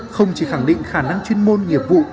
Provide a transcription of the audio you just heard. không chỉ khẳng định khả năng chuyên môn nghiệp vụ